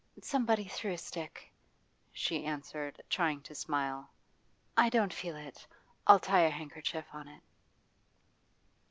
'Somebody threw a stick,' she answered, trying to smile. 'I don't feel it; I'll tie a handkerchief on it.